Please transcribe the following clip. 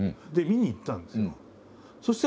で見に行ったんですよ。